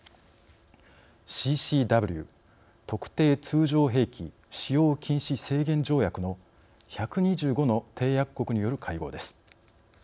ＣＣＷ＝特定通常兵器使用禁止制限条約の１２５の締約国による会合です。